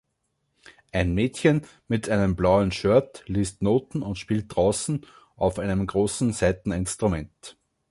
Ein Mädchen mit einem blauen Shirt liest Noten und spielt draußen auf einem großen Saiteninstrument.